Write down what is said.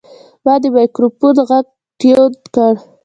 ما د مایکروفون غږ ټیون کړ.